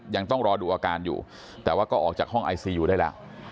ยังต้องรอดูอาการอยู่แต่ว่าก็ออกจากห้องไอซียูได้แล้ว